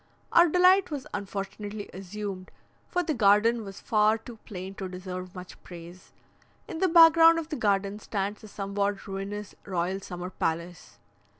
Our delight was unfortunately assumed, for the garden was far too plain to deserve much praise. In the back ground of the garden stands a somewhat ruinous royal summer palace.